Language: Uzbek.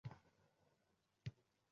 Qarasam, jiddiy gaplar ketyapti.